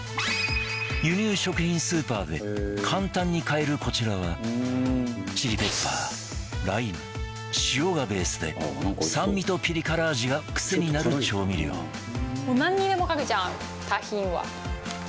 輸入食品スーパーで簡単に買えるこちらはチリペッパーライム塩がベースで酸味とピリ辛味がクセになる調味料タヒンは。